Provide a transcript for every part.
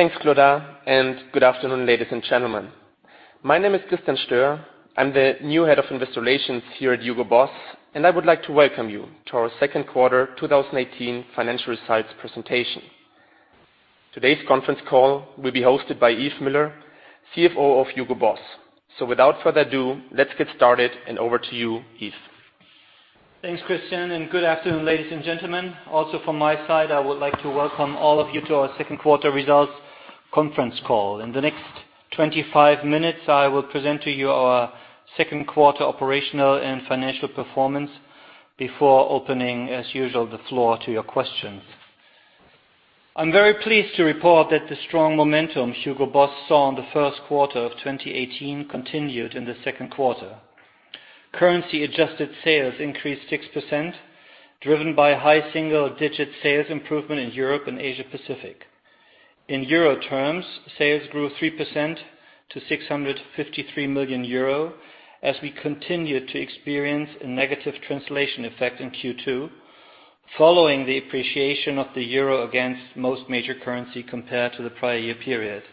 Thanks, Claude, good afternoon, ladies and gentlemen. My name is Christian Stoehr. I'm the new Head of Investor Relations here at Hugo Boss, and I would like to welcome you to our second quarter 2018 financial results presentation. Today's conference call will be hosted by Yves Müller, CFO of Hugo Boss. Without further ado, let's get started, over to you, Yves. Thanks, Christian, good afternoon, ladies and gentlemen. Also from my side, I would like to welcome all of you to our second quarter results conference call. In the next 25 minutes, I will present to you our second quarter operational and financial performance before opening, as usual, the floor to your questions. I'm very pleased to report that the strong momentum Hugo Boss saw in the first quarter of 2018 continued in the second quarter. Currency-adjusted sales increased 6%, driven by high single-digit sales improvement in Europe and Asia Pacific. In EUR terms, sales grew 3% to 653 million euro as we continued to experience a negative translation effect in Q2, following the appreciation of the EUR against most major currency compared to the prior year period.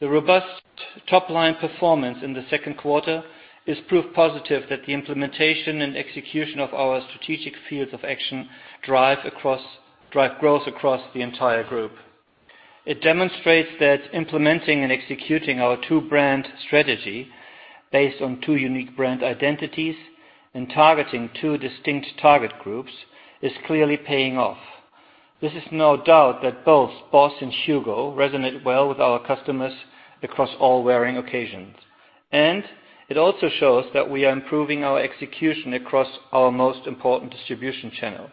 The robust top-line performance in the second quarter is proof positive that the implementation and execution of our strategic fields of action drive growth across the entire group. It demonstrates that implementing and executing our two-brand strategy based on two unique brand identities and targeting two distinct target groups is clearly paying off. This is no doubt that both BOSS and HUGO resonate well with our customers across all wearing occasions. It also shows that we are improving our execution across our most important distribution channel.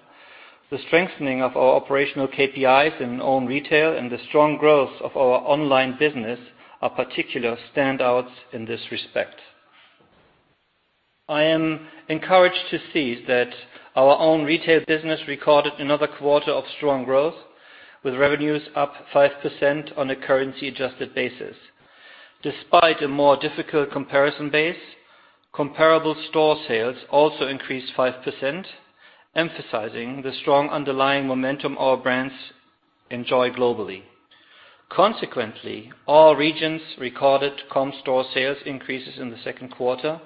The strengthening of our operational KPIs in own retail and the strong growth of our online business are particular standouts in this respect. I am encouraged to see that our own retail business recorded another quarter of strong growth, with revenues up 5% on a currency adjusted basis. Despite a more difficult comparison base, Comparable store sales also increased 5%, emphasizing the strong underlying momentum our brands enjoy globally. Consequently, all regions recorded Comparable store sales increases in the second quarter.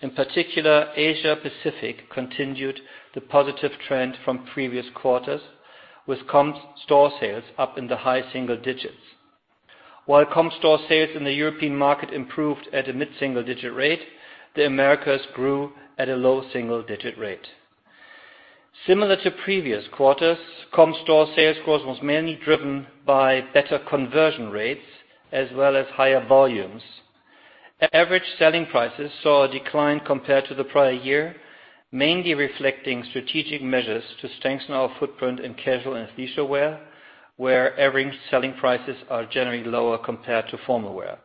In particular, Asia-Pacific continued the positive trend from previous quarters, with Comparable store sales up in the high single digits. While Comparable store sales in the European market improved at a mid-single digit rate, the Americas grew at a low single-digit rate. Similar to previous quarters, Comparable store sales growth was mainly driven by better conversion rates as well as higher volumes. Average selling prices saw a decline compared to the prior year, mainly reflecting strategic measures to strengthen our footprint in casual and leisure wear, where average selling prices are generally lower compared to formal wear.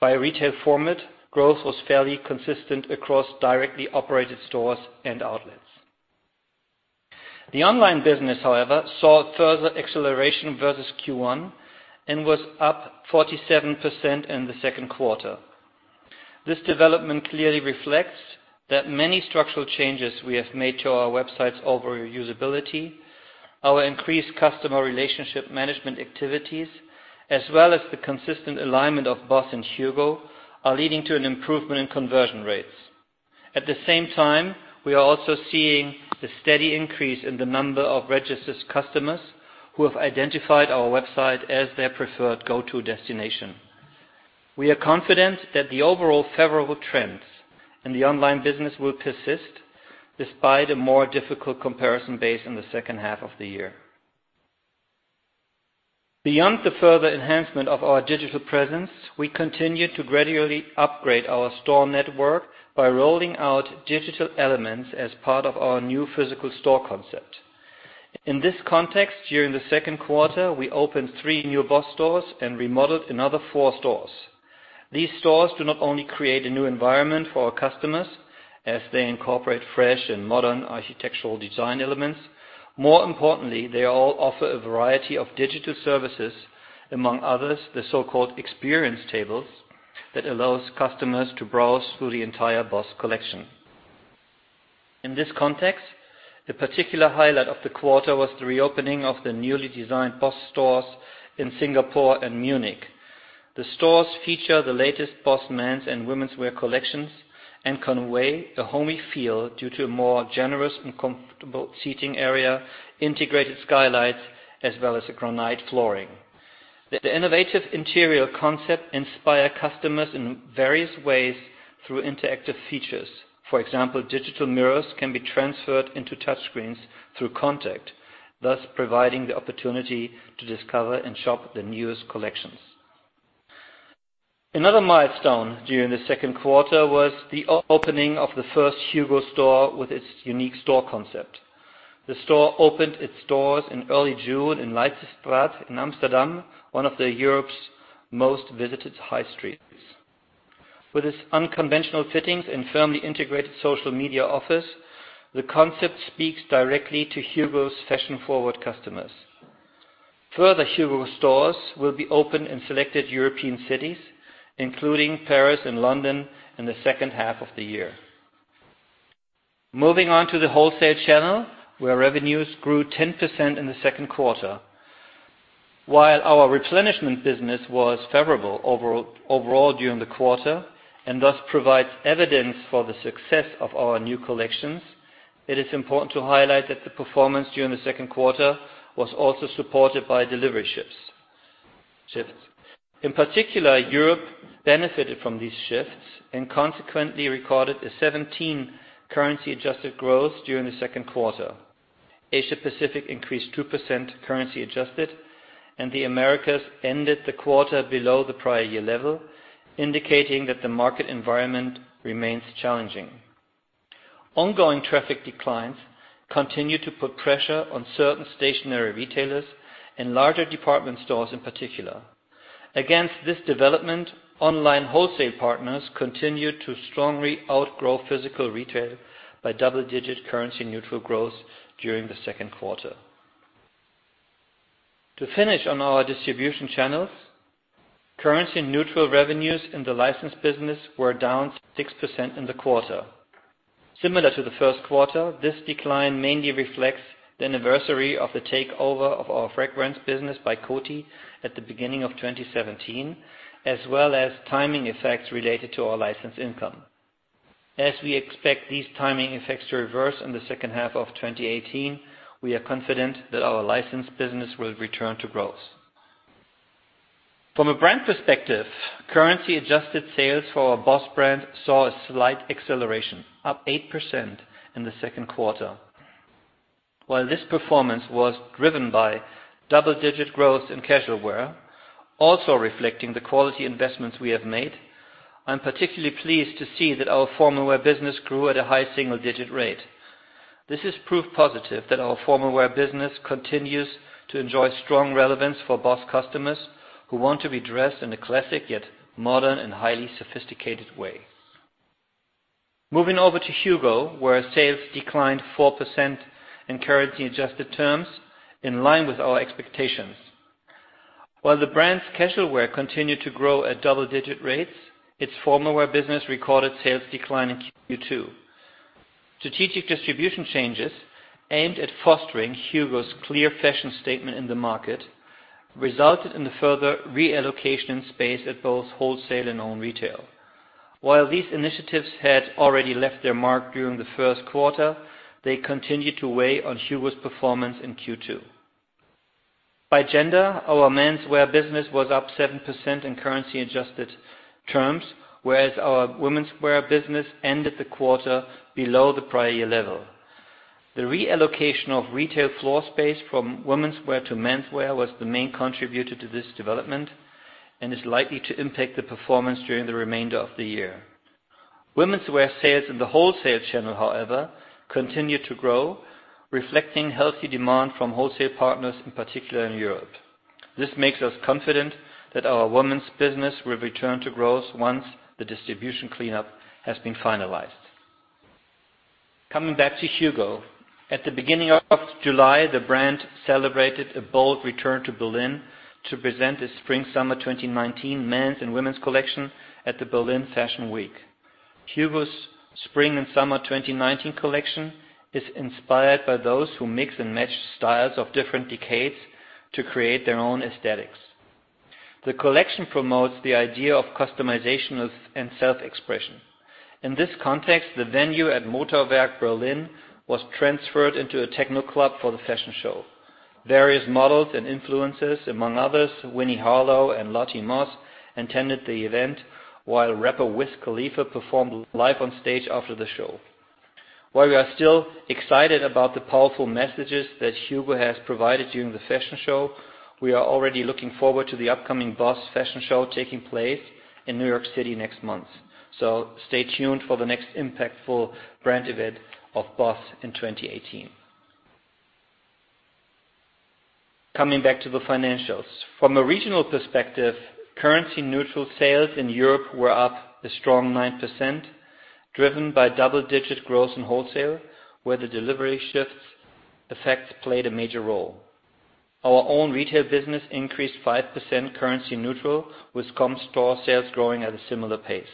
By retail format, growth was fairly consistent across directly operated stores and outlets. The online business, however, saw further acceleration versus Q1 and was up 47% in the second quarter. This development clearly reflects that many structural changes we have made to our websites over usability, our increased customer relationship management activities, as well as the consistent alignment of BOSS and HUGO, are leading to an improvement in conversion rates. At the same time, we are also seeing the steady increase in the number of registered customers who have identified our website as their preferred go-to destination. We are confident that the overall favorable trends and the online business will persist despite a more difficult comparison base in the second half of the year. Beyond the further enhancement of our digital presence, we continue to gradually upgrade our store network by rolling out digital elements as part of our new physical store concept. In this context, during the second quarter, we opened three new BOSS stores and remodeled another four stores. These stores do not only create a new environment for our customers as they incorporate fresh and modern architectural design elements. More importantly, they all offer a variety of digital services, among others, the so-called experience tables that allows customers to browse through the entire BOSS collection. In this context, the particular highlight of the quarter was the reopening of the newly designed BOSS stores in Singapore and Munich. The stores feature the latest BOSS men's and women's wear collections and convey a homey feel due to a more generous and comfortable seating area, integrated skylights, as well as a granite flooring. The innovative interior concept inspire customers in various ways through interactive features. For example, digital mirrors can be transferred into touch screens through contact, thus providing the opportunity to discover and shop the newest collections. Another milestone during the second quarter was the opening of the first HUGO store with its unique store concept. The store opened its doors in early June in Leidsestraat in Amsterdam, one of the Europe's most visited high streets. With its unconventional fittings and firmly integrated social media office, the concept speaks directly to HUGO's fashion-forward customers. Further HUGO stores will be open in selected European cities, including Paris and London in the second half of the year. Moving on to the wholesale channel, where revenues grew 10% in the second quarter. While our replenishment business was favorable overall during the quarter, and thus provides evidence for the success of our new collections, it is important to highlight that the performance during the second quarter was also supported by delivery shifts. In particular, Europe benefited from these shifts and consequently recorded a 17% currency-adjusted growth during the second quarter. Asia Pacific increased 2% currency adjusted, and the Americas ended the quarter below the prior year level, indicating that the market environment remains challenging. Ongoing traffic declines continue to put pressure on certain stationary retailers and larger department stores in particular. Against this development, online wholesale partners continued to strongly outgrow physical retail by double-digit currency-neutral growth during the second quarter. To finish on our distribution channels, currency-neutral revenues in the licensed business were down 6% in the quarter. Similar to the first quarter, this decline mainly reflects the anniversary of the takeover of our fragrance business by Coty at the beginning of 2017, as well as timing effects related to our license income. As we expect these timing effects to reverse in the second half of 2018, we are confident that our license business will return to growth. From a brand perspective, currency-adjusted sales for our BOSS brand saw a slight acceleration, up 8% in the second quarter. While this performance was driven by double-digit growth in casual wear, also reflecting the quality investments we have made, I am particularly pleased to see that our formal wear business grew at a high single-digit rate. This is proof positive that our formal wear business continues to enjoy strong relevance for BOSS customers who want to be dressed in a classic, yet modern and highly sophisticated way. Moving over to HUGO, where sales declined 4% in currency-adjusted terms, in line with our expectations. While the brand's casual wear continued to grow at double-digit rates, its formal wear business recorded sales decline in Q2. Strategic distribution changes aimed at fostering HUGO's clear fashion statement in the market resulted in the further reallocation space at both wholesale and own retail. While these initiatives had already left their mark during the first quarter, they continued to weigh on HUGO's performance in Q2. By gender, our menswear business was up 7% in currency-adjusted terms, whereas our womenswear business ended the quarter below the prior year level. The reallocation of retail floor space from womenswear to menswear was the main contributor to this development, and is likely to impact the performance during the remainder of the year. Womenswear sales in the wholesale channel, however, continued to grow, reflecting healthy demand from wholesale partners, in particular in Europe. This makes us confident that our womens business will return to growth once the distribution cleanup has been finalized. Coming back to HUGO. At the beginning of July, the brand celebrated a bold return to Berlin to present the Spring/Summer 2019 men's and women's collection at the Berlin Fashion Week. HUGO's Spring and Summer 2019 collection is inspired by those who mix and match styles of different decades to create their own aesthetics. The collection promotes the idea of customization and self-expression. In this context, the venue at Motorwerk Berlin was transferred into a techno club for the fashion show. Various models and influencers, among others, Winnie Harlow and Lottie Moss, attended the event, while rapper Wiz Khalifa performed live on stage after the show. While we are still excited about the powerful messages that HUGO has provided during the fashion show, we are already looking forward to the upcoming BOSS fashion show taking place in New York City next month. Stay tuned for the next impactful brand event of BOSS in 2018. Coming back to the financials. From a regional perspective, currency-neutral sales in Europe were up a strong 9%, driven by double-digit growth in wholesale, where the delivery shifts effects played a major role. Our own retail business increased 5% currency neutral, with Comparable store sales growing at a similar pace.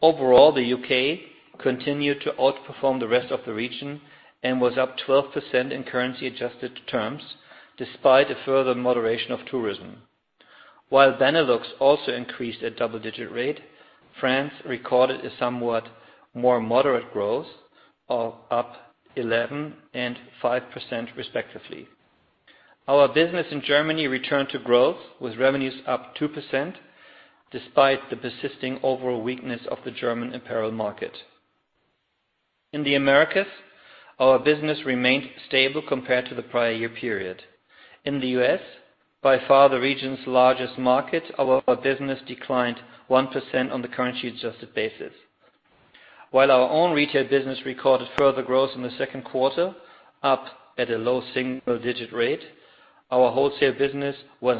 Overall, the U.K. continued to outperform the rest of the region and was up 12% in currency-adjusted terms, despite a further moderation of tourism. While Benelux also increased at double-digit rate, France recorded a somewhat more moderate growth of up 11% and 5%, respectively. Our business in Germany returned to growth, with revenues up 2%, despite the persisting overall weakness of the German apparel market. In the Americas, our business remained stable compared to the prior year period. In the U.S., by far the region's largest market, our business declined 1% on the currency-adjusted basis. While our own retail business recorded further growth in the second quarter, up at a low single-digit rate, our wholesale business was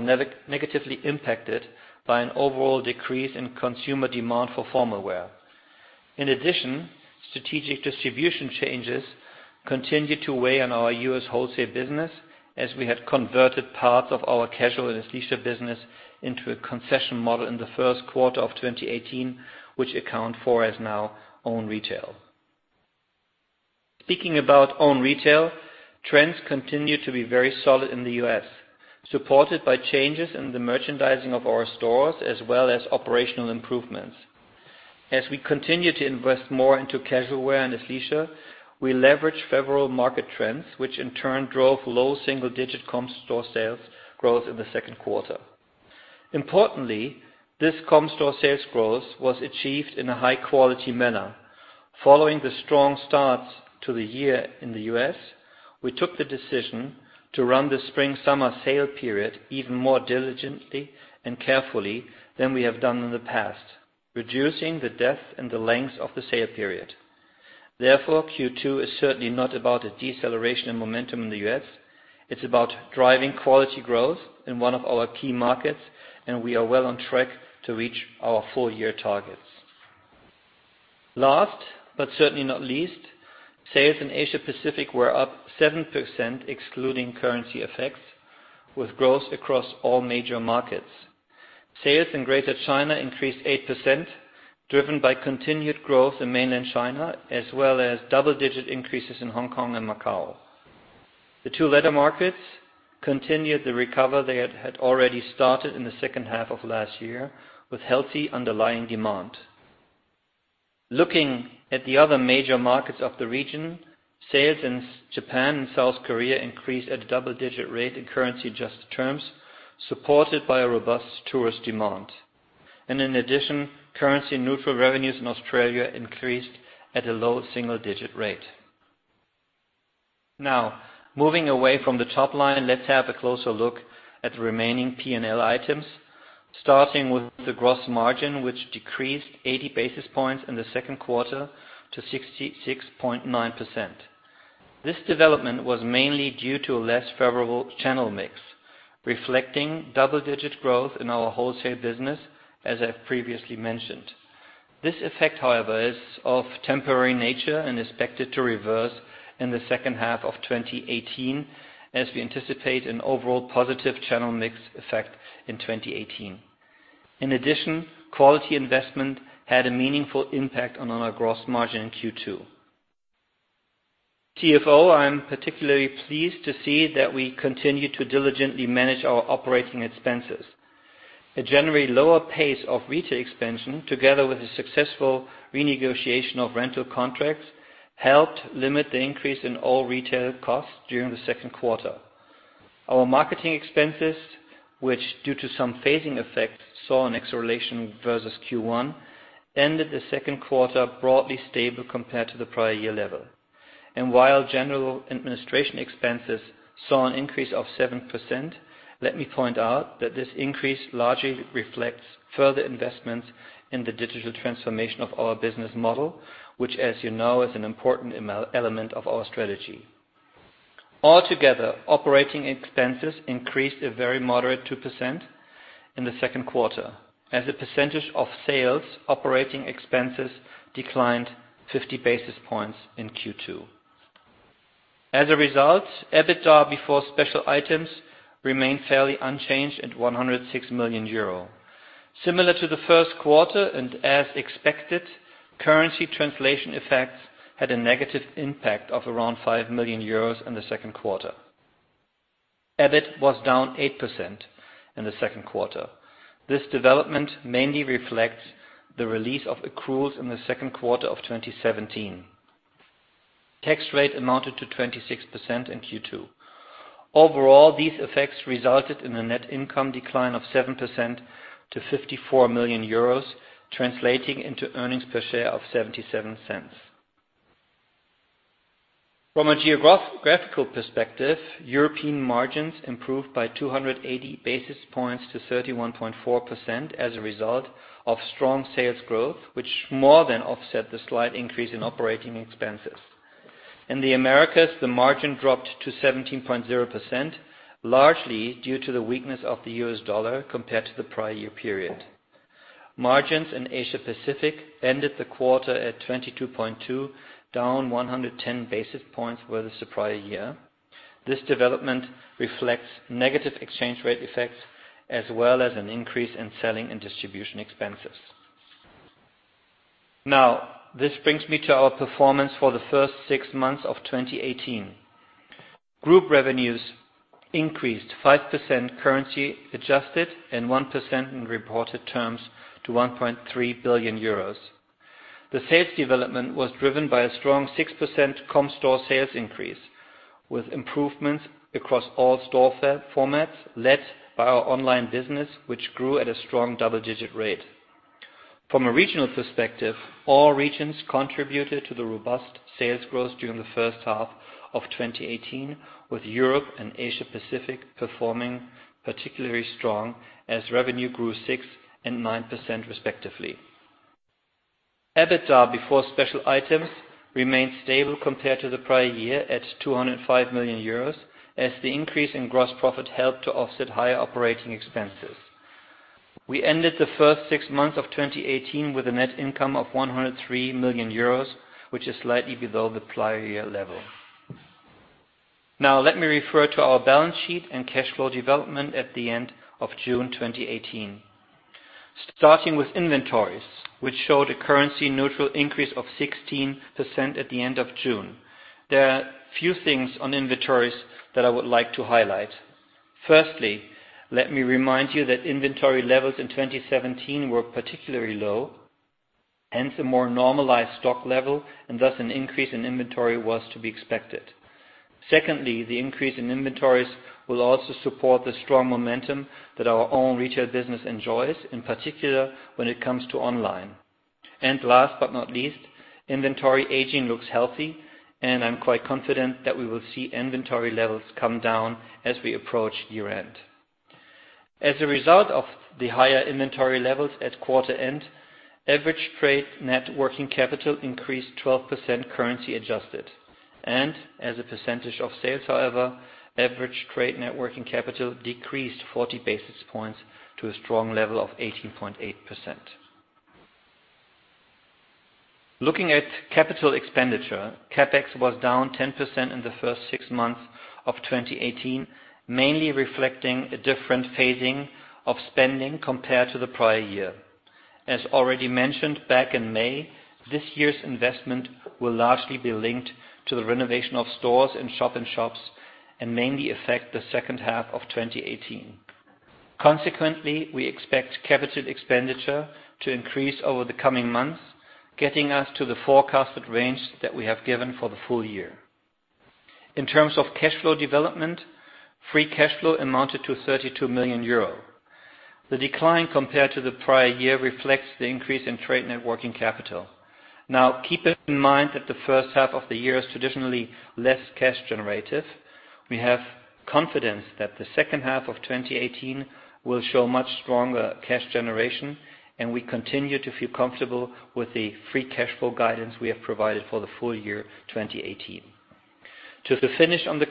negatively impacted by an overall decrease in consumer demand for formal wear. In addition, strategic distribution changes continue to weigh on our U.S. wholesale business as we have converted parts of our casual and athleisure business into a concession model in the first quarter of 2018, which account for as now own retail. Speaking about own retail, trends continue to be very solid in the U.S., supported by changes in the merchandising of our stores as well as operational improvements. As we continue to invest more into casual wear and athleisure, we leverage favorable market trends, which in turn drove low single-digit Comparable store sales growth in the second quarter. Importantly, this Comparable store sales growth was achieved in a high-quality manner. Following the strong start to the year in the U.S., we took the decision to run the spring/summer sale period even more diligently and carefully than we have done in the past, reducing the depth and the length of the sale period. Therefore, Q2 is certainly not about a deceleration in momentum in the U.S., it's about driving quality growth in one of our key markets, and we are well on track to reach our full-year targets. Last, but certainly not least, sales in Asia-Pacific were up 7% excluding currency effects, with growth across all major markets. Sales in Greater China increased 8%, driven by continued growth in mainland China, as well as double-digit increases in Hong Kong and Macau. The two latter markets continued the recovery they had already started in the second half of last year with healthy underlying demand. Looking at the other major markets of the region, sales in Japan and South Korea increased at a double-digit rate in currency-adjusted terms, supported by a robust tourist demand. In addition, currency-neutral revenues in Australia increased at a low single-digit rate. Moving away from the top line, let's have a closer look at the remaining P&L items, starting with the gross margin, which decreased 80 basis points in the second quarter to 66.9%. This development was mainly due to a less favorable channel mix, reflecting double-digit growth in our wholesale business, as I previously mentioned. This effect, however, is of temporary nature and expected to reverse in the second half of 2018, as we anticipate an overall positive channel mix effect in 2018. In addition, quality investment had a meaningful impact on our gross margin in Q2. TFO, I am particularly pleased to see that we continue to diligently manage our operating expenses. A generally lower pace of retail expansion, together with the successful renegotiation of rental contracts, helped limit the increase in all retail costs during the second quarter. Our marketing expenses, which, due to some phasing effects, saw an acceleration versus Q1, ended the second quarter broadly stable compared to the prior year level. While general administration expenses saw an increase of 7%, let me point out that this increase largely reflects further investments in the digital transformation of our business model, which, as you know, is an important element of our strategy. Altogether, operating expenses increased a very moderate 2% in the second quarter. As a percentage of sales, operating expenses declined 50 basis points in Q2. As a result, EBITDA before special items remained fairly unchanged at 106 million euro. Similar to the first quarter, as expected, currency translation effects had a negative impact of around 5 million euros in the second quarter. EBIT was down 8% in the second quarter. This development mainly reflects the release of accruals in the second quarter of 2017. Tax rate amounted to 26% in Q2. Overall, these effects resulted in a net income decline of 7% to 54 million euros, translating into earnings per share of 0.77. From a geographical perspective, European margins improved by 280 basis points to 31.4% as a result of strong sales growth, which more than offset the slight increase in operating expenses. In the Americas, the margin dropped to 17.0%, largely due to the weakness of the U.S. dollar compared to the prior year period. Margins in Asia-Pacific ended the quarter at 22.2%, down 110 basis points versus the prior year. This development reflects negative exchange rate effects as well as an increase in selling and distribution expenses. This brings me to our performance for the first six months of 2018. Group revenues increased 5% currency adjusted and 1% in reported terms to 1.3 billion euros. The sales development was driven by a strong 6% Comparable store sales increase, with improvements across all store formats led by our online business, which grew at a strong double-digit rate. From a regional perspective, all regions contributed to the robust sales growth during the first half of 2018, with Europe and Asia-Pacific performing particularly strong as revenue grew 6% and 9% respectively. EBITDA before special items remained stable compared to the prior year at 205 million euros, as the increase in gross profit helped to offset higher operating expenses. We ended the first six months of 2018 with a net income of 103 million euros, which is slightly below the prior year level. Let me refer to our balance sheet and cash flow development at the end of June 2018. Starting with inventories, which showed a currency-neutral increase of 16% at the end of June. There are few things on inventories that I would like to highlight. Firstly, let me remind you that inventory levels in 2017 were particularly low, hence a more normalized stock level and thus an increase in inventory was to be expected. Secondly, the increase in inventories will also support the strong momentum that our own retail business enjoys, in particular when it comes to online. Last but not least, inventory aging looks healthy, and I'm quite confident that we will see inventory levels come down as we approach year-end. As a result of the higher inventory levels at quarter end, average trade net working capital increased 12% currency adjusted. As a percentage of sales, however, average trade net working capital decreased 40 basis points to a strong level of 18.8%. Looking at capital expenditure, CapEx was down 10% in the first six months of 2018, mainly reflecting a different phasing of spending compared to the prior year. As already mentioned back in May, this year's investment will largely be linked to the renovation of stores and shop-in-shops, and mainly affect the second half of 2018. Consequently, we expect capital expenditure to increase over the coming months, getting us to the forecasted range that we have given for the full year. In terms of cash flow development, free cash flow amounted to 32 million euro. The decline compared to the prior year reflects the increase in trade net working capital. Keeping in mind that the first half of the year is traditionally less cash generative, we have confidence that the second half of 2018 will show much stronger cash generation, and we continue to feel comfortable with the free cash flow guidance we have provided for the full year 2018. To the finish on the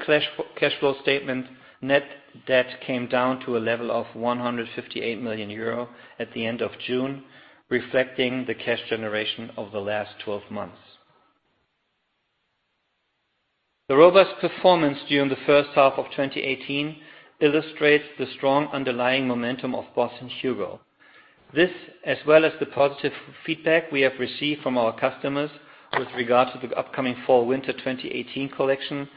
cash flow statement, net debt came down to a level of 158 million euro at the end of June, reflecting the cash generation over the last 12 months. The robust performance during the first half of 2018 illustrates the strong underlying momentum of BOSS and HUGO. This, as well as the positive feedback we have received from our customers with regard to the upcoming fall/winter 2018 collection,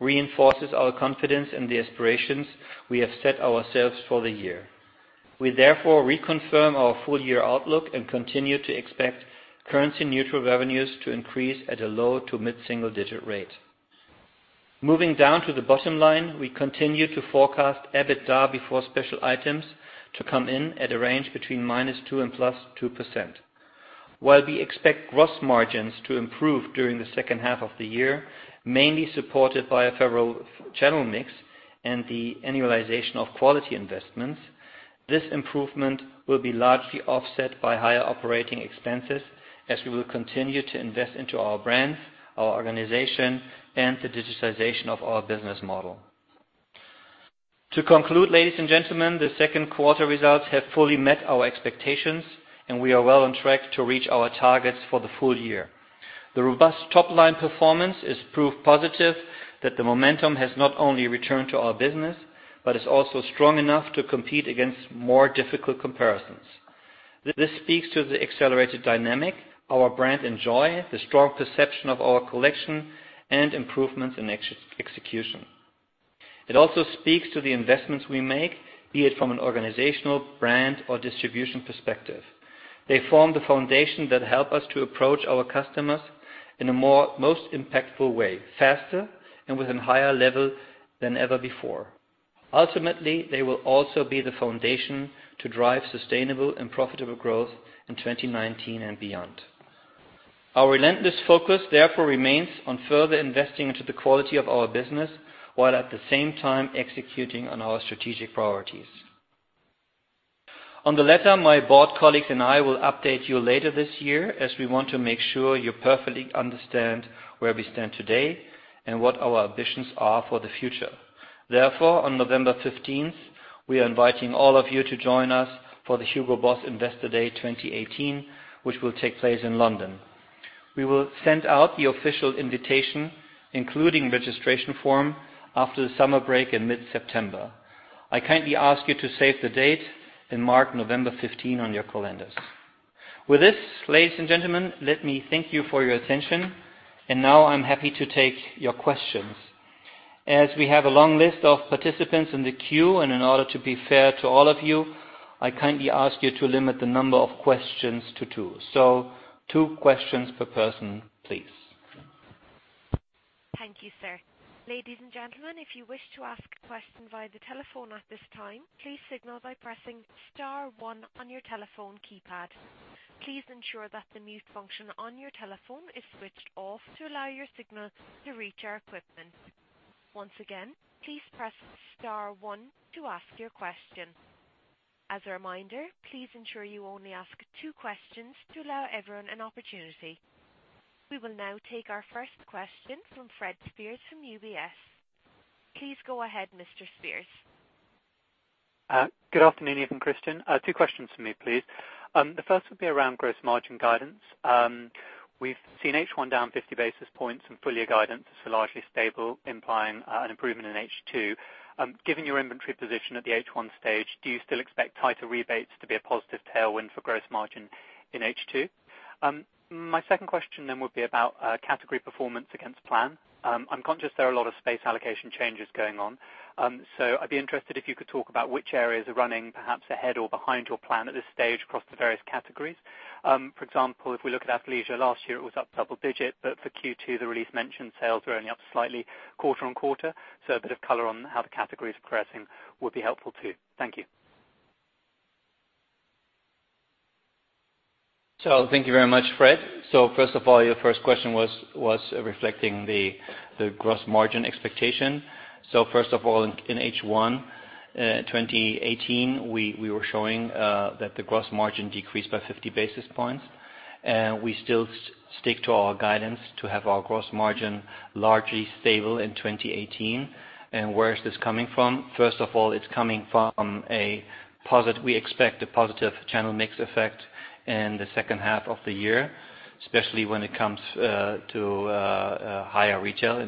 reinforces our confidence in the aspirations we have set ourselves for the year. We therefore reconfirm our full-year outlook and continue to expect currency-neutral revenues to increase at a low to mid-single-digit rate. Moving down to the bottom line, we continue to forecast EBITDA before special items to come in at a range between -2% and +2%. While we expect gross margins to improve during the second half of the year, mainly supported by a favorable channel mix and the annualization of quality investments, this improvement will be largely offset by higher operating expenses as we will continue to invest into our brands, our organization, and the digitization of our business model. To conclude, ladies and gentlemen, the second quarter results have fully met our expectations, and we are well on track to reach our targets for the full year. The robust top-line performance is proof positive that the momentum has not only returned to our business but is also strong enough to compete against more difficult comparisons. This speaks to the accelerated dynamic our brand enjoy, the strong perception of our collection, and improvements in execution. It also speaks to the investments we make, be it from an organizational, brand, or distribution perspective. They form the foundation that help us to approach our customers in a most impactful way, faster and with a higher level than ever before. Ultimately, they will also be the foundation to drive sustainable and profitable growth in 2019 and beyond. Our relentless focus therefore remains on further investing into the quality of our business, while at the same time executing on our strategic priorities. On the latter, my board colleagues and I will update you later this year, as we want to make sure you perfectly understand where we stand today and what our ambitions are for the future. On November 15th, we are inviting all of you to join us for the Hugo Boss Investor Day 2018, which will take place in London. We will send out the official invitation, including registration form, after the summer break in mid-September. I kindly ask you to save the date and mark November 15 on your calendars. With this, ladies and gentlemen, let me thank you for your attention. Now I'm happy to take your questions. As we have a long list of participants in the queue, in order to be fair to all of you, I kindly ask you to limit the number of questions to two. Two questions per person, please. Thank you, sir. Ladies and gentlemen, if you wish to ask a question via the telephone at this time, please signal by pressing *1 on your telephone keypad. Please ensure that the mute function on your telephone is switched off to allow your signal to reach our equipment. Once again, please press *1 to ask your question. As a reminder, please ensure you only ask two questions to allow everyone an opportunity. We will now take our first question from Fred Speirs from UBS. Please go ahead, Mr. Speirs. Good afternoon, Yves and Christian. Two questions from me, please. The first would be around gross margin guidance. We've seen H1 down 50 basis points and full year guidance is largely stable, implying an improvement in H2. Given your inventory position at the H1 stage, do you still expect tighter rebates to be a positive tailwind for gross margin in H2? My second question would be about category performance against plan. I'm conscious there are a lot of space allocation changes going on. I'd be interested if you could talk about which areas are running perhaps ahead or behind your plan at this stage across the various categories. For example, if we look at athleisure, last year it was up double digit, but for Q2, the release mentioned sales were only up slightly quarter-on-quarter. A bit of color on how the category is progressing would be helpful too. Thank you. Thank you very much, Fred. First of all, your first question was reflecting the gross margin expectation. First of all, in H1 2018, we were showing that the gross margin decreased by 50 basis points. We still stick to our guidance to have our gross margin largely stable in 2018. Where is this coming from? First of all, we expect a positive channel mix effect in the second half of the year, especially when it comes to higher retail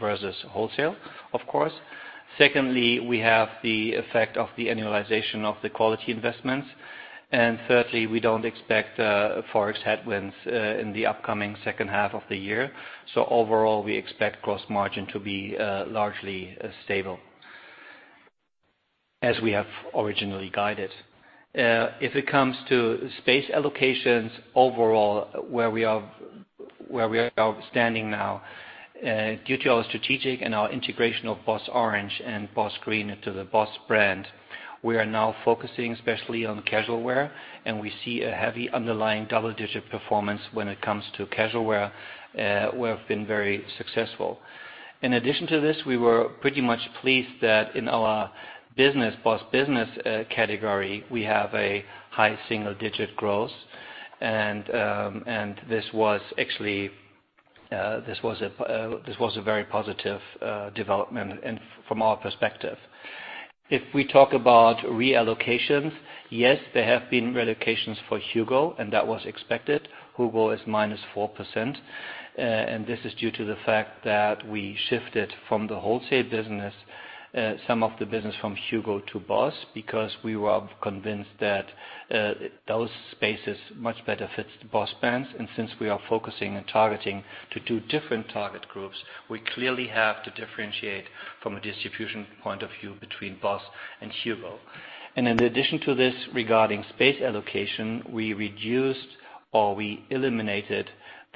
versus wholesale, of course. Secondly, we have the effect of the annualization of the quality investments. Thirdly, we don't expect ForEx headwinds in the upcoming second half of the year. Overall, we expect gross margin to be largely stable as we have originally guided. If it comes to space allocations overall, where we are standing now, due to our strategic and our integration of BOSS Orange and BOSS Green into the BOSS brand, we are now focusing especially on casual wear, we see a heavy underlying double-digit performance when it comes to casual wear. We have been very successful. In addition to this, we were pretty much pleased that in our BOSS Business category, we have a high single-digit growth. This was a very positive development from our perspective. If we talk about reallocations, yes, there have been reallocations for HUGO, that was expected. HUGO is minus 4%, and this is due to the fact that we shifted from the wholesale business, some of the business from HUGO to BOSS, because we were convinced that those spaces much better fits the BOSS brands. Since we are focusing and targeting to two different target groups, we clearly have to differentiate from a distribution point of view between BOSS and HUGO. In addition to this, regarding space allocation, we reduced or we eliminated the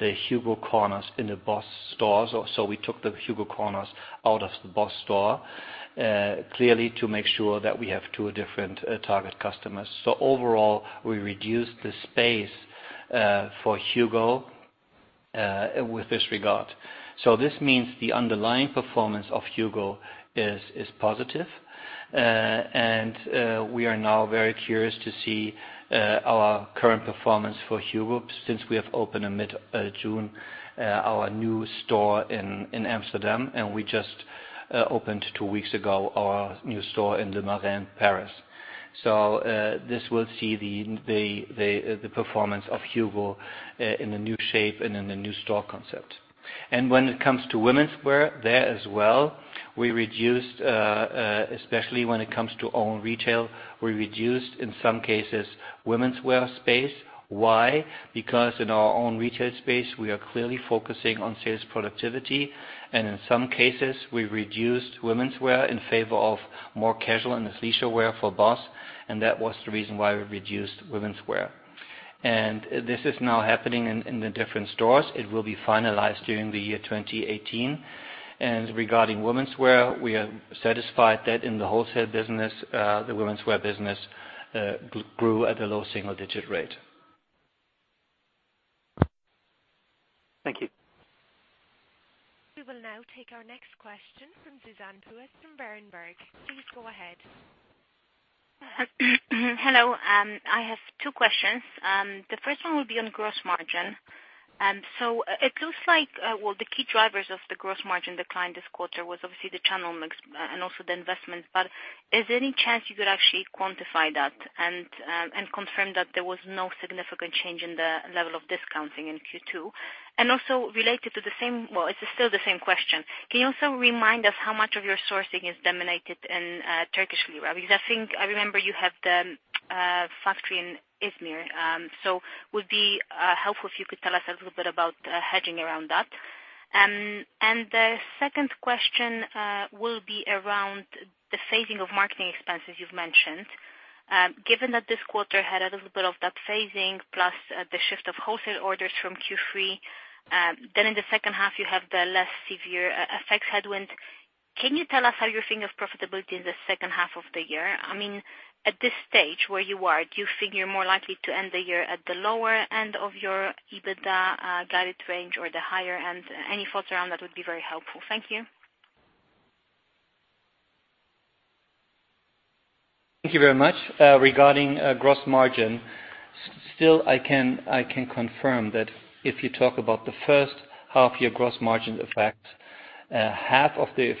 HUGO corners in the BOSS stores. We took the HUGO corners out of the BOSS store, clearly to make sure that we have two different target customers. Overall, we reduced the space for HUGO with this regard. This means the underlying performance of HUGO is positive. We are now very curious to see our current performance for HUGO since we have opened in mid-June our new store in Amsterdam, and we just opened two weeks ago our new store in Le Marais, Paris. This will see the performance of HUGO in a new shape and in a new store concept. When it comes to womenswear, there as well, especially when it comes to own retail, we reduced, in some cases, womenswear space. Why? Because in our own retail space, we are clearly focusing on sales productivity, and in some cases, we reduced womenswear in favor of more casual and athleisure wear for BOSS, and that was the reason why we reduced womenswear. This is now happening in the different stores. It will be finalized during the year 2018. Regarding womenswear, we are satisfied that in the wholesale business, the womenswear business grew at a low single-digit rate. Thank you. We will now take our next question from Zuzanna Pusz from Berenberg. Please go ahead. Hello. I have two questions. The first one will be on gross margin. It looks like the key drivers of the gross margin decline this quarter was obviously the channel mix and also the investments. Is there any chance you could actually quantify that and confirm that there was no significant change in the level of discounting in Q2? Also related to the same question. Can you also remind us how much of your sourcing is dominated in Turkish lira? Because I think I remember you have the factory in Izmir. Would be helpful if you could tell us a little bit about hedging around that. The second question will be around the phasing of marketing expenses you've mentioned. Given that this quarter had a little bit of that phasing plus the shift of wholesale orders from Q3, then in the second half, you have the less severe FX headwinds. Can you tell us how you're thinking of profitability in the second half of the year? I mean, at this stage, where you are, do you figure you're more likely to end the year at the lower end of your EBITDA guided range or the higher end? Any thoughts around that would be very helpful. Thank you. Thank you very much. Regarding gross margin, still I can confirm that if you talk about the first half year gross margin effect, half of this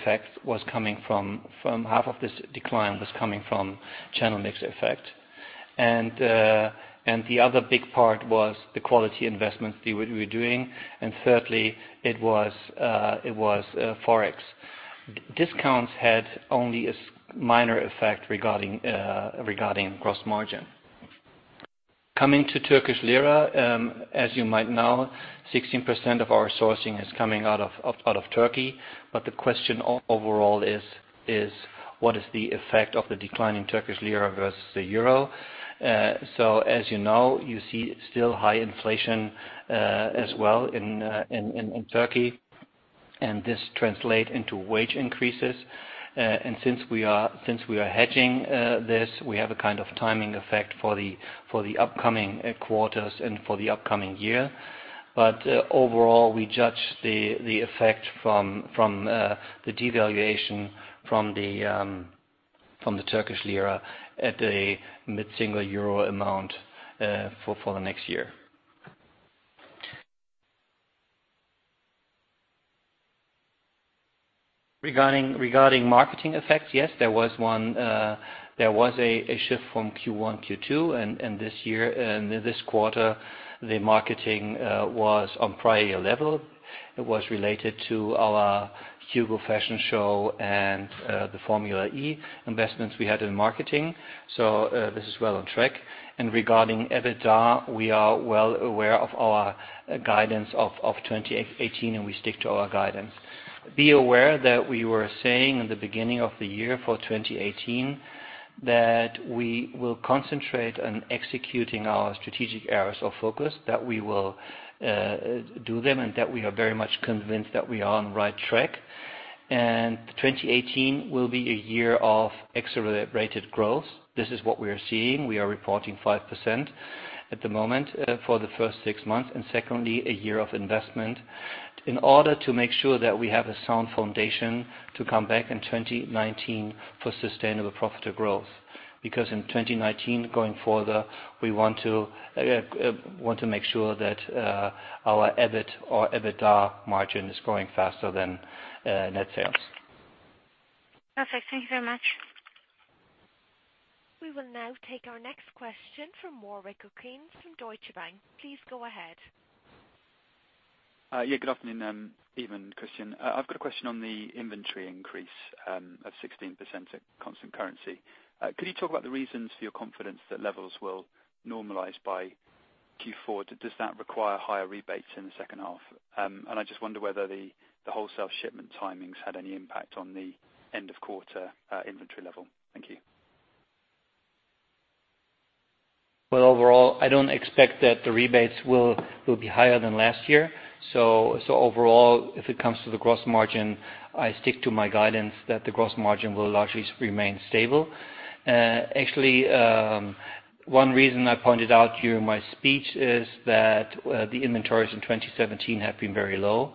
decline was coming from channel mix effect. The other big part was the quality investments we're doing. Thirdly, it was Forex. Discounts had only a minor effect regarding gross margin. Coming to Turkish lira, as you might know, 16% of our sourcing is coming out of Turkey. The question overall is: what is the effect of the decline in Turkish lira versus the EUR? As you know, you see still high inflation as well in Turkey, and this translate into wage increases. Since we are hedging this, we have a kind of timing effect for the upcoming quarters and for the upcoming year. Overall, we judge the effect from the devaluation from the Turkish lira at a mid-single EUR amount for the next year. Regarding marketing effects, yes, there was a shift from Q1 to Q2 and this quarter the marketing was on prior level. It was related to our HUGO fashion show and the Formula E investments we had in marketing. This is well on track. Regarding EBITDA, we are well aware of our guidance of 2018, and we stick to our guidance. Be aware that we were saying in the beginning of the year for 2018, that we will concentrate on executing our strategic areas of focus, that we will do them, and that we are very much convinced that we are on the right track. 2018 will be a year of accelerated growth. This is what we are seeing. We are reporting 5% at the moment for the first six months and secondly, a year of investment in order to make sure that we have a sound foundation to come back in 2019 for sustainable profitable growth. In 2019, going further, we want to make sure that our EBIT or EBITDA margin is growing faster than net sales. Perfect. Thank you very much. We will now take our next question from Warwick Okines from Deutsche Bank. Please go ahead. Good afternoon, Christian. I've got a question on the inventory increase of 16% at constant currency. Could you talk about the reasons for your confidence that levels will normalize by Q4? Does that require higher rebates in the second half? I just wonder whether the wholesale shipment timings had any impact on the end of quarter inventory level. Thank you. Well, overall, I don't expect that the rebates will be higher than last year. Overall, if it comes to the gross margin, I stick to my guidance that the gross margin will largely remain stable. Actually, one reason I pointed out during my speech is that the inventories in 2017 have been very low.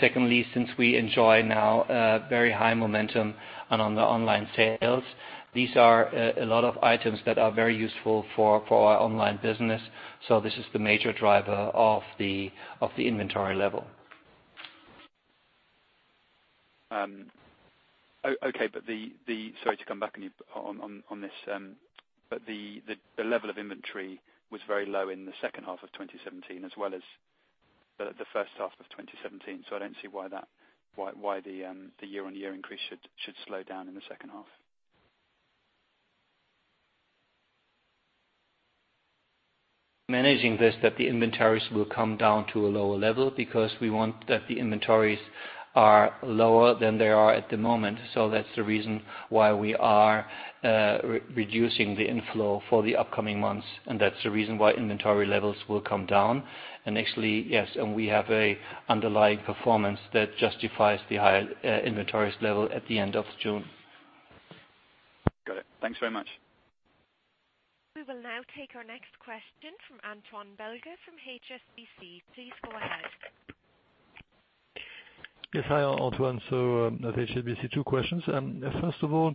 Secondly, since we enjoy now a very high momentum and on the online sales, these are a lot of items that are very useful for our online business. This is the major driver of the inventory level. Okay. Sorry to come back on you on this. The level of inventory was very low in the second half of 2017 as well as the first half of 2017. I don't see why the year-on-year increase should slow down in the second half. Managing this, that the inventories will come down to a lower level because we want that the inventories are lower than they are at the moment. That's the reason why we are reducing the inflow for the upcoming months. That's the reason why inventory levels will come down. Actually, yes, we have a underlying performance that justifies the higher inventories level at the end of June. Got it. Thanks very much. We will now take our next question from Antoine Belge from HSBC. Please go ahead. Yes. Hi, Antoine. At HSBC, two questions. First of all,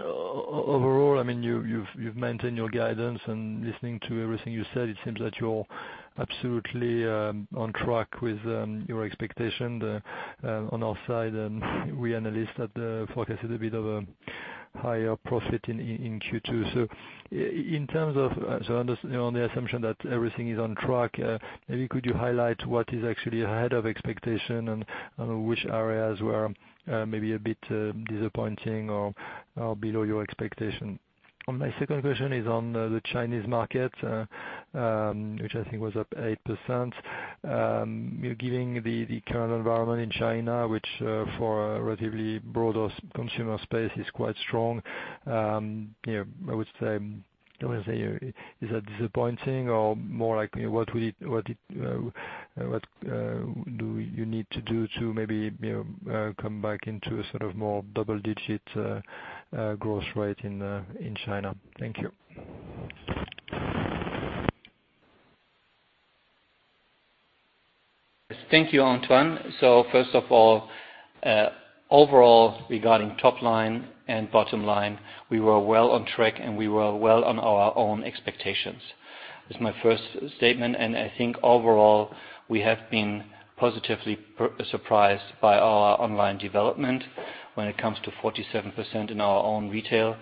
overall, you've maintained your guidance and listening to everything you said, it seems that you're absolutely on track with your expectation. On our side, we analysts had forecasted a bit of a higher profit in Q2. On the assumption that everything is on track, maybe could you highlight what is actually ahead of expectation and which areas were maybe a bit disappointing or below your expectation? My second question is on the Chinese market, which I think was up 8%. Given the current environment in China, which for a relatively broader consumer space is quite strong, I would say, is that disappointing or more like, what do you need to do to maybe come back into a sort of more double-digit growth rate in China? Thank you. Thank you, Antoine. First of all, overall, regarding top line and bottom line, we were well on track, and we were well on our own expectations. That's my first statement. I think overall we have been positively surprised by our online development when it comes to 47% in our own retail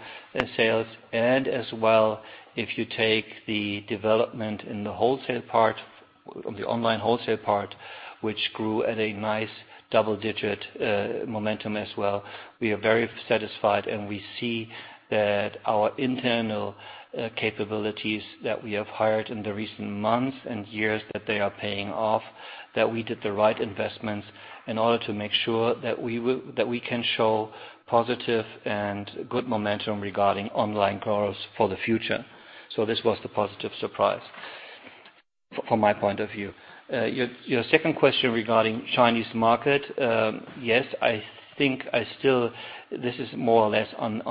sales. As well, if you take the development in the online wholesale part, which grew at a nice double-digit momentum as well. We are very satisfied, and we see that our internal capabilities that we have hired in the recent months and years, that they are paying off, that we did the right investments in order to make sure that we can show positive and good momentum regarding online growth for the future. This was the positive surprise from my point of view. Your second question regarding Chinese market. Yes, I think this is more or less on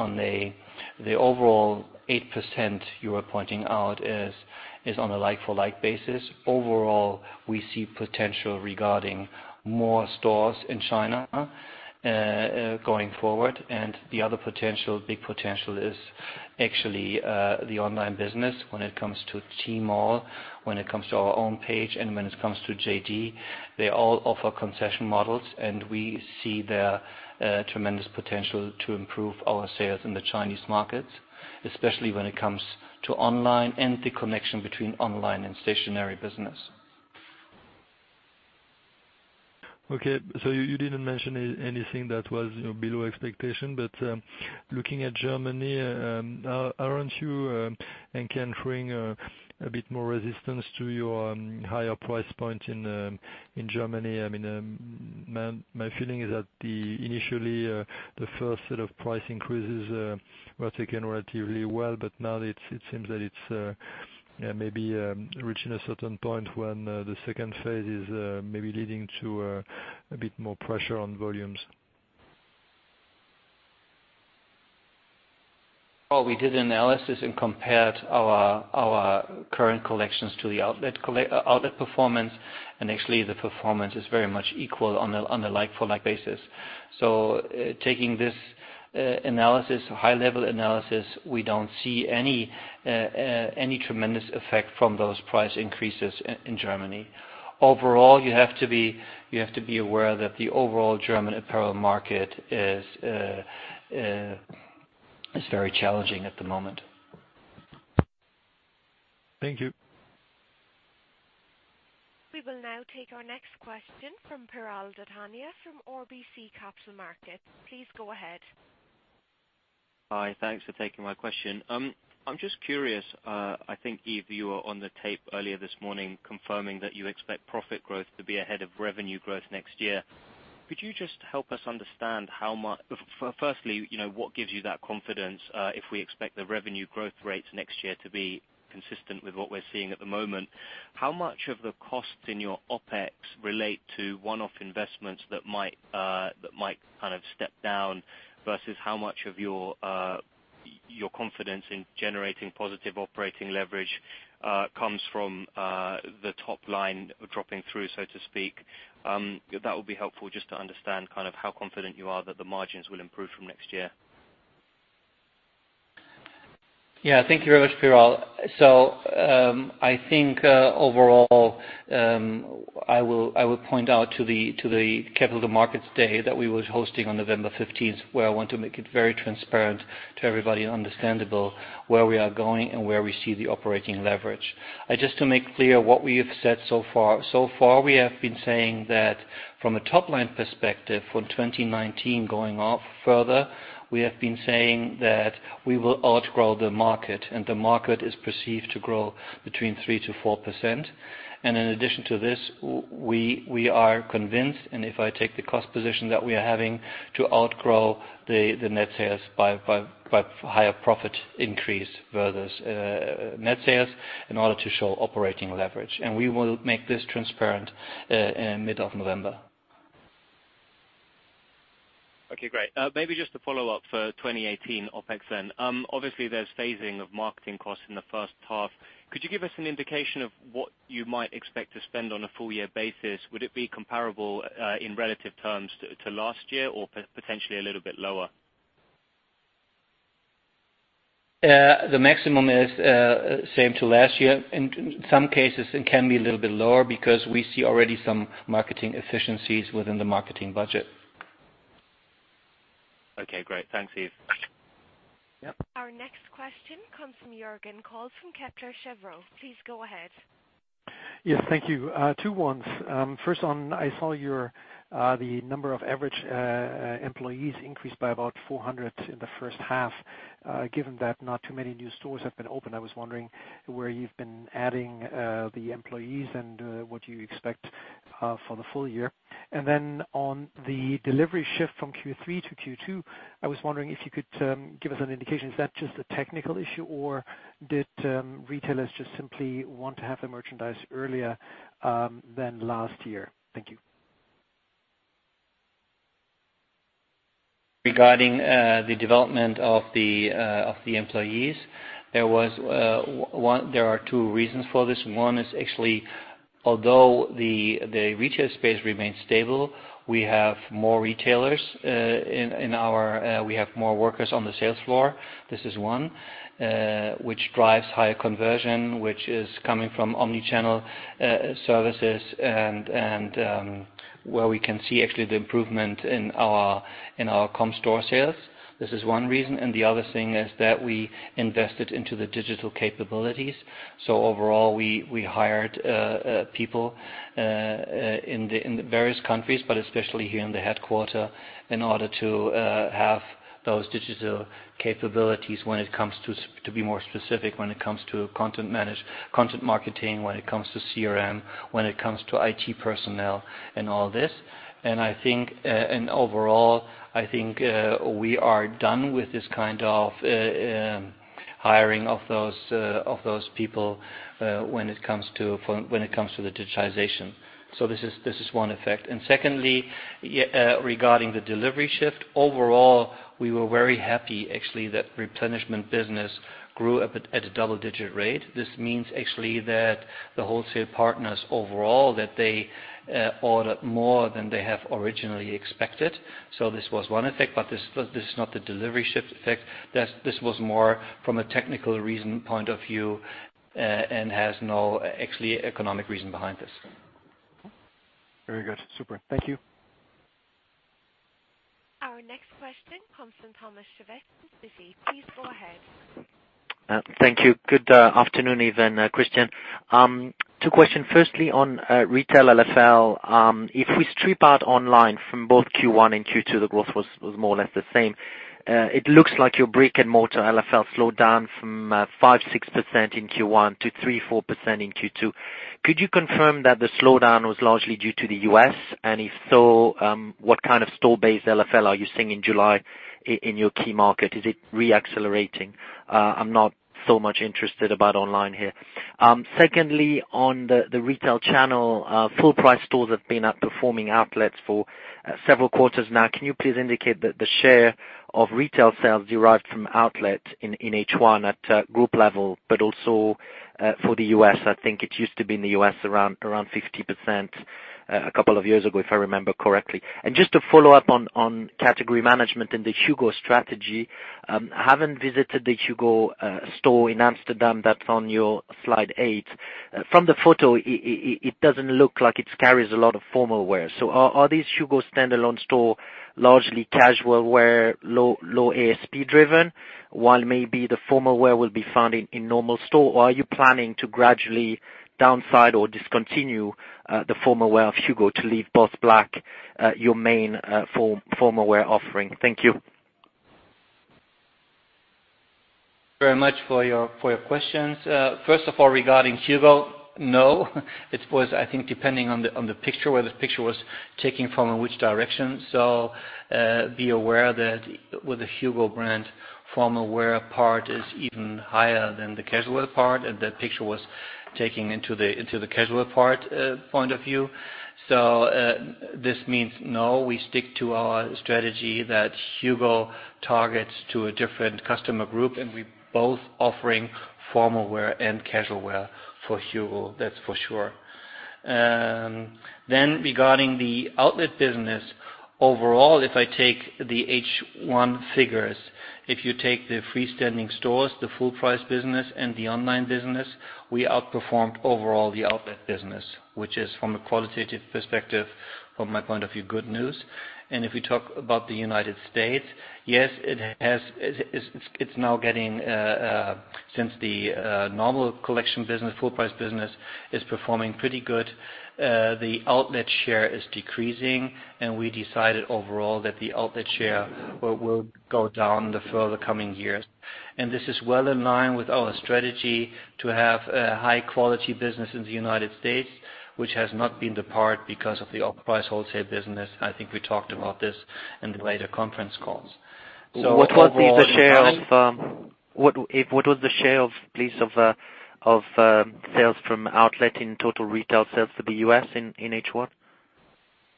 the overall 8% you are pointing out is on a like-for-like basis. Overall, we see potential regarding more stores in China going forward. The other big potential is actually the online business when it comes to Tmall, when it comes to our own page, and when it comes to JD.com. They all offer concession models, and we see their tremendous potential to improve our sales in the Chinese market, especially when it comes to online and the connection between online and stationary business. Okay, you didn't mention anything that was below expectation. Looking at Germany, aren't you encountering a bit more resistance to your higher price point in Germany? My feeling is that initially, the first set of price increases were taken relatively well, but now it seems that it's maybe reaching a certain point when the second phase is maybe leading to a bit more pressure on volumes. Well, we did analysis and compared our current collections to the outlet performance, actually the performance is very much equal on a like-for-like basis. Taking this high-level analysis, we don't see any tremendous effect from those price increases in Germany. Overall, you have to be aware that the overall German apparel market is very challenging at the moment. Thank you. We will now take our next question from Piral Dadhania from RBC Capital Markets. Please go ahead. Hi. Thanks for taking my question. I'm just curious. I think, Yves, you were on the tape earlier this morning confirming that you expect profit growth to be ahead of revenue growth next year. Could you just help us understand, firstly, what gives you that confidence if we expect the revenue growth rates next year to be consistent with what we're seeing at the moment? How much of the costs in your OpEx relate to one-off investments that might step down versus how much of your confidence in generating positive operating leverage comes from the top line dropping through, so to speak? That would be helpful just to understand how confident you are that the margins will improve from next year. Thank you very much, Piral. I think, overall, I would point out to the Capital Markets Day that we were hosting on November 15th, where I want to make it very transparent to everybody and understandable where we are going and where we see the operating leverage. Just to make clear what we have said so far. So far, we have been saying that from a top-line perspective for 2019 going further, we have been saying that we will outgrow the market, and the market is perceived to grow between 3%-4%. In addition to this, we are convinced, and if I take the cost position that we are having, to outgrow the net sales by higher profit increase versus net sales in order to show operating leverage. We will make this transparent in mid of November. Okay, great. Maybe just to follow up for 2018 OpEx. Obviously, there's phasing of marketing costs in the first half. Could you give us an indication of what you might expect to spend on a full-year basis? Would it be comparable in relative terms to last year or potentially a little bit lower? The maximum is same to last year. In some cases, it can be a little bit lower because we see already some marketing efficiencies within the marketing budget. Okay, great. Thanks, Yves. Yep. Our next question comes from Jürgen Kolb from Kepler Cheuvreux. Please go ahead. Yes. Thank you. Two ones. First one, I saw the number of average employees increased by about 400 in the first half. Given that not too many new stores have been opened, I was wondering where you've been adding the employees and what you expect for the full year. Then on the delivery shift from Q3 to Q2, I was wondering if you could give us an indication. Is that just a technical issue or did retailers just simply want to have the merchandise earlier than last year? Thank you. Regarding the development of the employees, there are two reasons for this. One is actually although the retail space remains stable, we have more workers on the sales floor. This is one which drives higher conversion which is coming from omni-channel services and where we can see actually the improvement in our Comparable store sales. This is one reason. The other thing is that we invested into the digital capabilities. Overall, we hired people in the various countries but especially here in the headquarter in order to have those digital capabilities when it comes to be more specific, when it comes to content marketing, when it comes to CRM, when it comes to IT personnel and all this. Overall, I think we are done with this kind of hiring of those people when it comes to the digitization. This is one effect. Secondly, regarding the delivery shift. Overall, we were very happy actually that replenishment business grew up at a double-digit rate. This means actually that the wholesale partners overall that they ordered more than they have originally expected. This was one effect, but this is not the delivery shift effect. This was more from a technical reason, point of view, and has no actually economic reason behind this. Very good. Super. Thank you. Our next question comes from Thomas Chauvet with Citi. Please go ahead. Thank you. Good afternoon, Christian. Two question firstly on retail LFL. If we strip out online from both Q1 and Q2, the growth was more or less the same. It looks like your brick-and-mortar LFL slowed down from 5%-6% in Q1 to 3%-4% in Q2. Could you confirm that the slowdown was largely due to the U.S.? If so, what kind of store-based LFL are you seeing in July in your key market? Is it re-accelerating? I am not so much interested about online here. Secondly, on the retail channel, full price stores have been outperforming outlets for several quarters now. Can you please indicate that the share of retail sales derived from outlet in H1 at group level but also for the U.S.? I think it used to be in the U.S. around 50% a couple of years ago, if I remember correctly. Just to follow up on category management and the HUGO strategy. Having visited the HUGO store in Amsterdam that is on your slide eight. From the photo, it does not look like it carries a lot of formal wear. Are these HUGO standalone store largely casual wear, low ASP driven, while maybe the formal wear will be found in normal store? Are you planning to gradually downside or discontinue the formal wear of HUGO to leave BOSS Black your main formal wear offering? Thank you. Very much for your questions. First of all, regarding HUGO. It was, I think depending on the picture, where the picture was taken from and which direction. Be aware that with the HUGO brand formal wear part is even higher than the casual part. The picture was taken into the casual part point of view. This means no, we stick to our strategy that HUGO targets to a different customer group and we both offering formal wear and casual wear for HUGO. That's for sure. Regarding the outlet business. Overall, if I take the H1 figures, if you take the freestanding stores, the full price business, and the online business, we outperformed overall the outlet business, which is from a qualitative perspective, from my point of view, good news. If we talk about the U.S., yes, it's now getting, since the normal collection business, full price business is performing pretty good. The outlet share is decreasing, and we decided overall that the outlet share will go down the further coming years. This is well in line with our strategy to have a high-quality business in the U.S., which has not been the part because of the off-price wholesale business. I think we talked about this in the later conference calls. What was the share of sales from outlet in total retail sales for the U.S. in H1?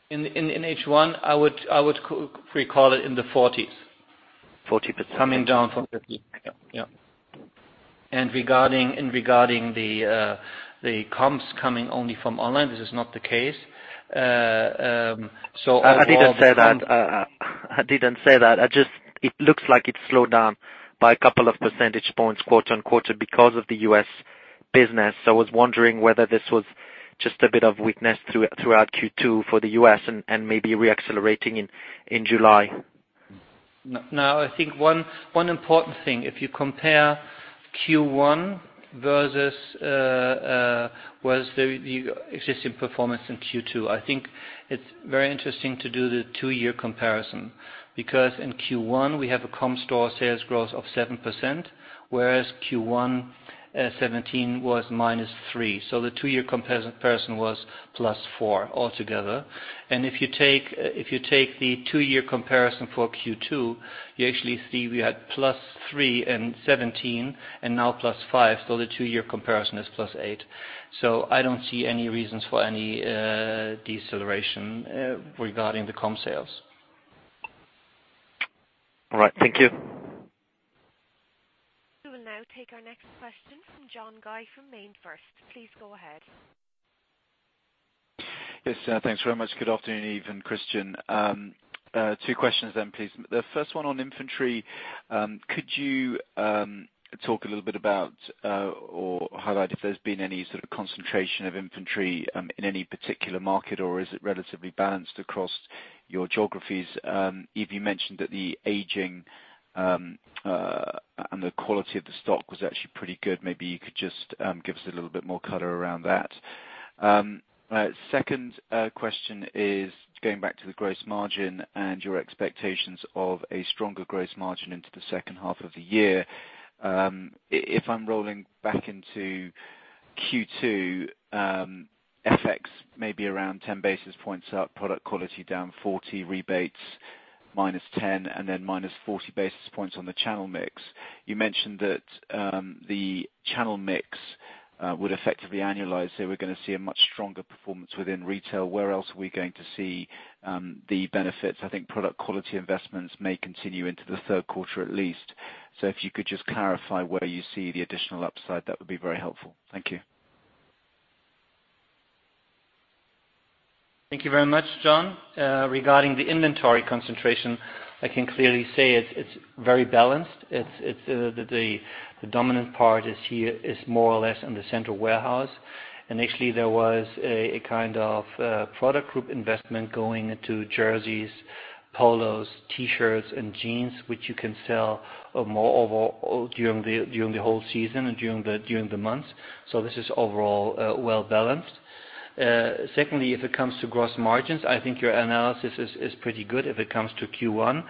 In H1, I would recall it in the 40s. 40%. Coming down from 50. Yeah. Regarding the comps coming only from online, this is not the case. I didn't say that. It looks like it slowed down by a couple of percentage points quarter-on-quarter because of the U.S. business. I was wondering whether this was just a bit of weakness throughout Q2 for the U.S. and maybe re-accelerating in July. No, I think one important thing, if you compare Q1 versus the existing performance in Q2. I think it's very interesting to do the two-year comparison, because in Q1 we have a Comparable store sales growth of 7%, whereas Q1 2017 was -3%. The two-year comparison was +4% altogether. If you take the two-year comparison for Q2, you actually see we had +3% in 2017 and now +5%, the two-year comparison is +8%. I don't see any reasons for any deceleration regarding the comp sales. All right. Thank you. We will now take our next question from John Guy from MainFirst. Please go ahead. Yes. Thanks very much. Good afternoon, Yves and Christian. Two questions, please. The first one on inventory. Could you talk a little bit about or highlight if there's been any sort of concentration of inventory in any particular market, or is it relatively balanced across your geographies? Yves, you mentioned that the aging and the quality of the stock was actually pretty good. Maybe you could just give us a little bit more color around that. Second question is going back to the gross margin and your expectations of a stronger gross margin into the second half of the year. If I'm rolling back into Q2, FX may be around 10 basis points up, product quality down 40, rebates minus 10, and then minus 40 basis points on the channel mix. You mentioned that the channel mix would effectively annualize. We're going to see a much stronger performance within retail. Where else are we going to see the benefits? I think product quality investments may continue into the third quarter at least. If you could just clarify where you see the additional upside, that would be very helpful. Thank you. Thank you very much, John. Regarding the inventory concentration, I can clearly say it's very balanced. The dominant part is more or less in the central warehouse. Actually, there was a kind of product group investment going into jerseys, polos, T-shirts, and jeans, which you can sell more during the whole season and during the months. This is overall well-balanced. Secondly, if it comes to gross margins, I think your analysis is pretty good if it comes to Q1.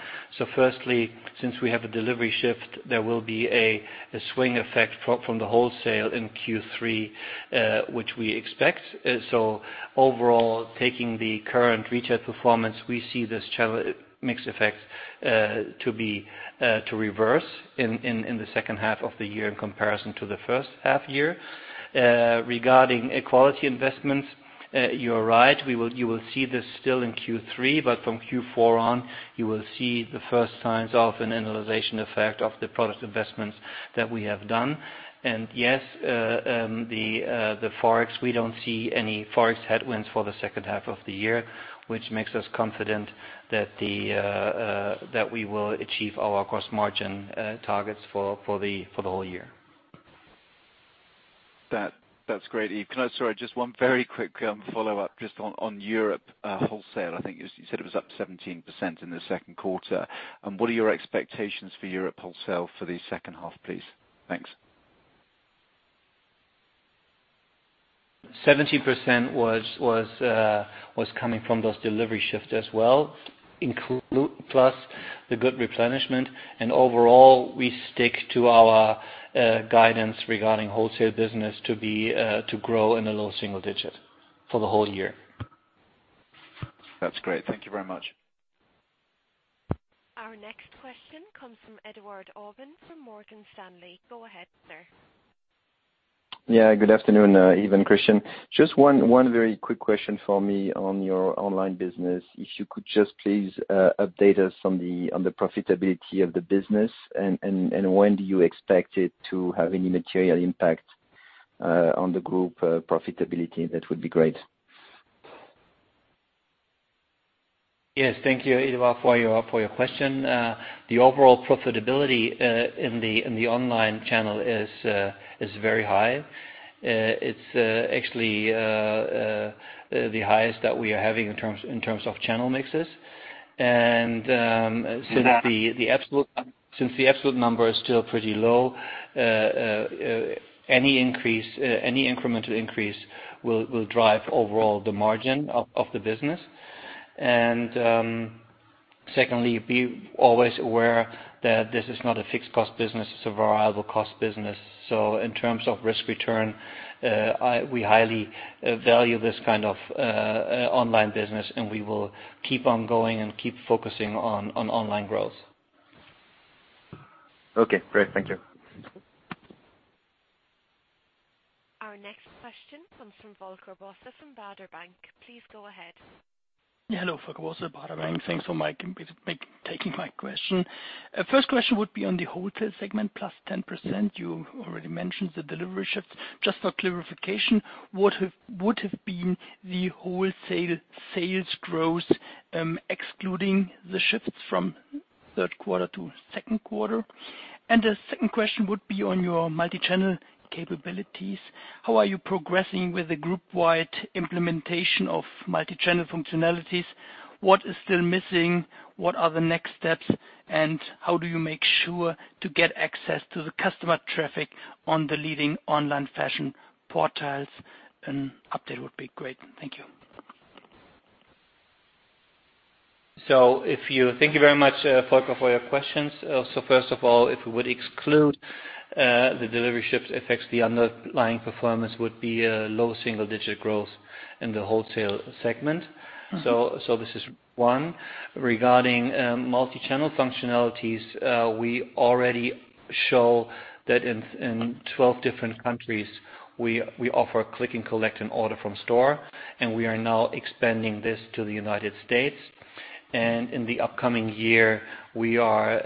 Firstly, since we have a delivery shift, there will be a swing effect from the wholesale in Q3, which we expect. Overall, taking the current retail performance, we see this channel mix effect to reverse in the second half of the year in comparison to the first half year. Regarding quality investments, you are right. You will see this still in Q3, but from Q4 on, you will see the first signs of an annualization effect of the product investments that we have done. Yes, the Forex, we don't see any Forex headwinds for the second half of the year, which makes us confident that we will achieve our gross margin targets for the whole year. That's great, Yves. Can I just one very quick follow-up just on Europe wholesale. I think you said it was up 17% in the second quarter. What are your expectations for Europe wholesale for the second half, please? Thanks. 17% was coming from those delivery shifts as well, plus the good replenishment. Overall, we stick to our guidance regarding wholesale business to grow in the low single digit for the whole year. That's great. Thank you very much. Our next question comes from Edouard Aubin from Morgan Stanley. Go ahead, sir. Yeah, good afternoon, Yves and Christian. Just one very quick question for me on your online business. If you could just please update us on the profitability of the business and when do you expect it to have any material impact on the group profitability, that would be great. Yes. Thank you, Edouard, for your question. The overall profitability in the online channel is very high. It's actually the highest that we are having in terms of channel mixes. Since the absolute number is still pretty low, any incremental increase will drive overall the margin of the business. Secondly, be always aware that this is not a fixed cost business, it's a variable cost business. In terms of risk-return, we highly value this kind of online business and we will keep on going and keep focusing on online growth. Okay, great. Thank you. Our next question comes from Volker Bosse from Baader Bank. Please go ahead. Hello. Volker Bosse, Baader Bank. Thanks for taking my question. First question would be on the wholesale segment, +10%. You already mentioned the delivery shifts. Just for clarification, what would have been the wholesale sales growth excluding the shifts from third quarter to second quarter? The second question would be on your multi-channel capabilities. How are you progressing with the group-wide implementation of multi-channel functionalities? What is still missing? What are the next steps? How do you make sure to get access to the customer traffic on the leading online fashion portals? An update would be great. Thank you. Thank you very much, Volker, for your questions. First of all, if we would exclude the delivery shifts effect, the underlying performance would be a low single-digit growth in the wholesale segment. This is one. Regarding multi-channel functionalities, we already show that in 12 different countries we offer click and collect and order from store, we are now expanding this to the U.S. In the upcoming year, we are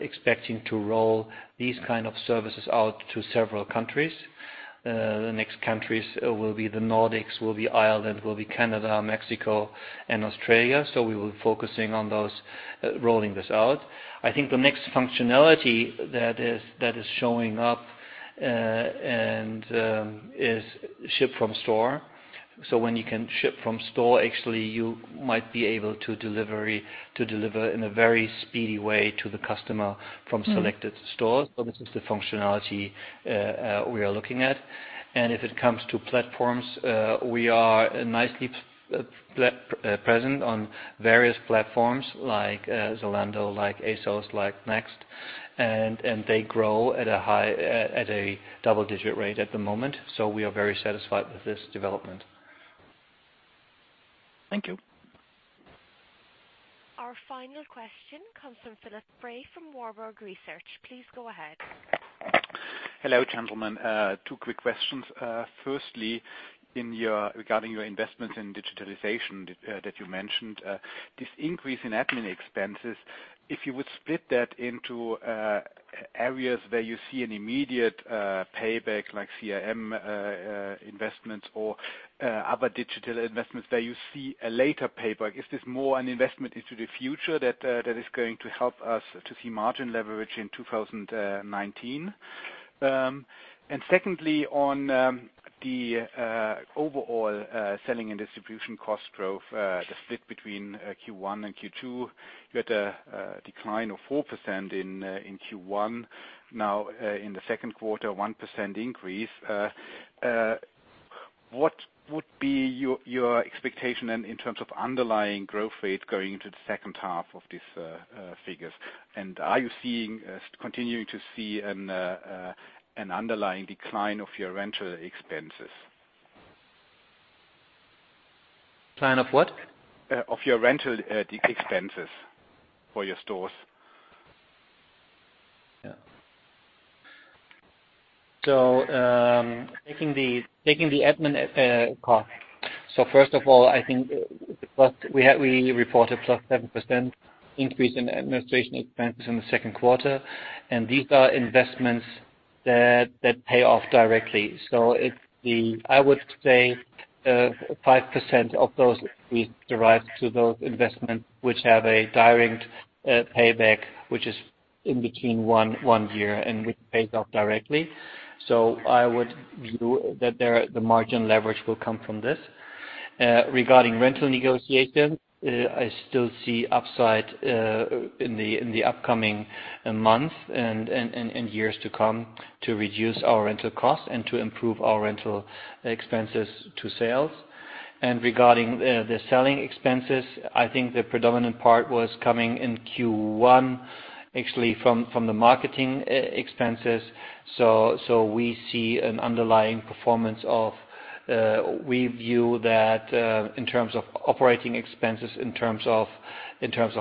expecting to roll these kind of services out to several countries. The next countries will be the Nordics, will be Ireland, will be Canada, Mexico, and Australia. We will be focusing on those, rolling this out. I think the next functionality that is showing up and is ship from store. When you can ship from store, actually, you might be able to deliver in a very speedy way to the customer from selected stores. This is the functionality we are looking at. If it comes to platforms, we are nicely present on various platforms like Zalando, like ASOS, like Next. They grow at a double-digit rate at the moment. We are very satisfied with this development. Thank you. Our final question comes from Philipp Frey from Warburg Research. Please go ahead. Hello, gentlemen. Two quick questions. Firstly, regarding your investments in digitalization that you mentioned. This increase in admin expenses, if you would split that into areas where you see an immediate payback, like CRM investments or other digital investments where you see a later payback. Is this more an investment into the future that is going to help us to see margin leverage in 2019? Secondly, on the overall selling and distribution cost growth, the split between Q1 and Q2. You had a decline of 4% in Q1. Now, in the second quarter, 1% increase. What would be your expectation in terms of underlying growth rate going into the second half of these figures? Are you continuing to see an underlying decline of your rental expenses? Plan of what? Of your rental expenses for your stores. Yeah. Taking the admin cost. First of all, I think, we reported +7% increase in administration expenses in the second quarter. These are investments that pay off directly. I would say 5% of those fees derive to those investments, which have a direct payback, which is in between one year and which pays off directly. I would view that the margin leverage will come from this. Regarding rental negotiation, I still see upside in the upcoming month and years to come to reduce our rental cost and to improve our rental expenses to sales. Regarding the selling expenses, I think the predominant part was coming in Q1, actually from the marketing expenses. We view that in terms of operating expenses, in terms of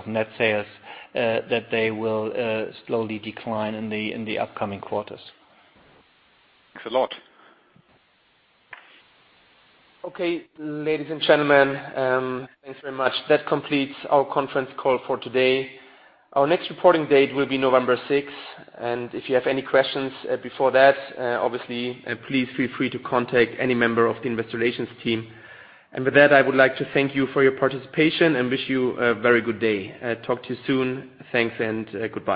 net sales, that they will slowly decline in the upcoming quarters. Thanks a lot. Okay, ladies and gentlemen, thanks very much. That completes our conference call for today. Our next reporting date will be November 6. If you have any questions before that, obviously, please feel free to contact any member of the investor relations team. With that, I would like to thank you for your participation and wish you a very good day. Talk to you soon. Thanks and goodbye.